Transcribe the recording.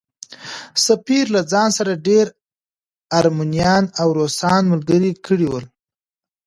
سفیر له ځان سره ډېر ارمنیان او روسان ملګري کړي وو.